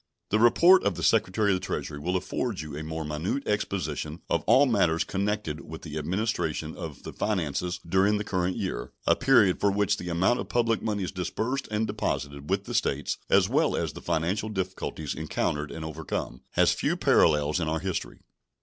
The report of the Secretary of the Treasury will afford you a more minute exposition of all matters connected with the administration of the finances during the current year a period which for the amount of public moneys disbursed and deposited with the States, as well as the financial difficulties encountered and overcome, has few parallels in our history.